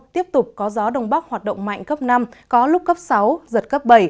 tiếp tục có gió đông bắc hoạt động mạnh cấp năm có lúc cấp sáu giật cấp bảy